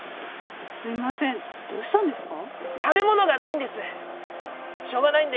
すいませんどうしたんですか？